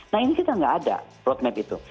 nah ini kita nggak ada roadmap itu